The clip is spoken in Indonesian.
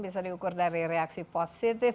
bisa diukur dari reaksi positif